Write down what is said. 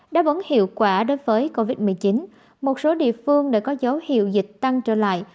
đáp ứng hiệu quả đối với covid một mươi chín một số địa phương đã có dấu hiệu dịch tăng trở lại